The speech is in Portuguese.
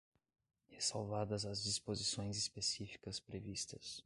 ressalvadas as disposições específicas previstas